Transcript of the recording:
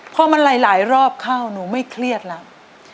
พอมันหลายรอบเข้าหนูไม่เครียดแล้ว